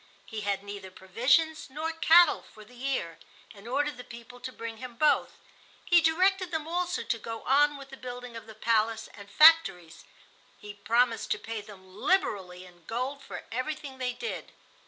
He had neither provisions nor cattle for the year, and ordered the people to bring him both. He directed them also to go on with the building of the palace and factories. He promised to pay them liberally in gold for everything they did.